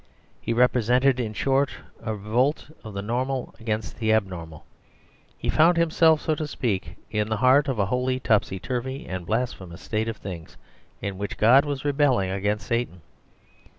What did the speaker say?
He represented, in short, a revolt of the normal against the abnormal; he found himself, so to speak, in the heart of a wholly topsy turvy and blasphemous state of things, in which God was rebelling against Satan.